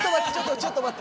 ちょっと待って！